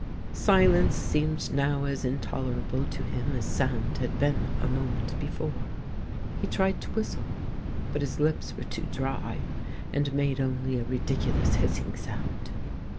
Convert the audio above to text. Silence seemed now as intolerable to him as sound had been a moment before. He tried to whistle, but his lips were too dry and made only a ridiculous hissing sound.